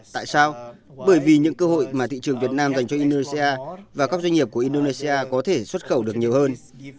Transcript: tại sao bởi vì những cơ hội mà thị trường việt nam dành cho indonesia và các doanh nghiệp của indonesia có thể xuất khẩu được nhiều hơn